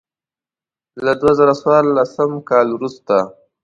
له دوه زره څوارلسم کال وروسته.